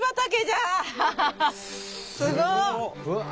すごっ！